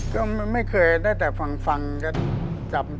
ก็ไม่เคยได้แต่ฟังก็จำไปบ้าง